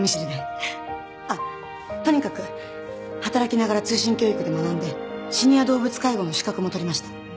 あっとにかく働きながら通信教育で学んでシニア動物介護の資格も取りました。